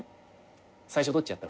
最初どっちやった？